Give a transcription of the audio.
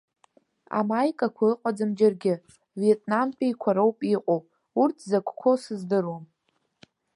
Амаикақәа ыҟаӡам џьаргьы, виетнамтәиқәа роуп иҟоу, урҭ закәқәоу сыздыруам.